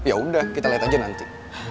yaudah kita liat aja nanti